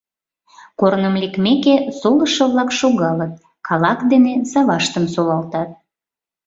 Корным лекмеке, солышо-влак шогалыт, калак дене саваштым солалтат.